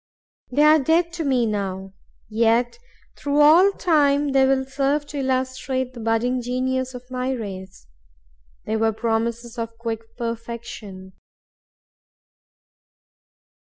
They are dead to me now; yet through all time they will serve to illustrate the budding genius of my race. They were promises of quick perfection.